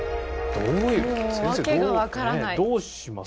どうします？